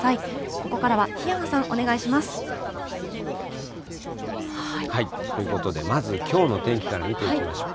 ここからは檜山さん、お願いしまということで、まずきょうの天気から見ていきましょう。